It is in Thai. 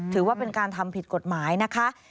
ถือว่าเป็นการทำผิดกฎหมายนะคะ